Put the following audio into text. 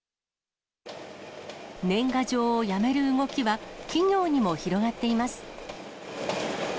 年賀状をやめる動きは、企業にも広がっています。